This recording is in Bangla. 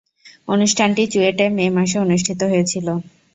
অনুষ্ঠানটি চুয়েটে মে মাসে অনুষ্ঠিত হয়েছিলো।